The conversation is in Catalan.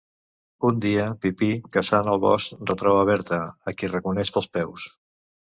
Un dia, Pipí caçant al bosc retroba Berta, a qui reconeix pels peus.